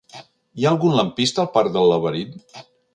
Hi ha algun lampista al parc del Laberint?